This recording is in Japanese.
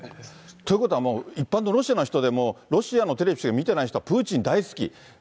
ということはもう、一般のロシアの人でも、ロシアのテレビしか見てない人はプーチン大好き。